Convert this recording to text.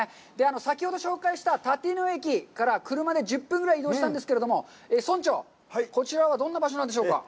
先ほど紹介した立野駅から車で１０分ぐらい移動したんですけども、村長、こちらはどんな場所なんでしょうか。